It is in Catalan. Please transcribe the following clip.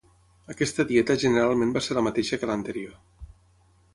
Aquesta dieta generalment va ser la mateixa que l'anterior.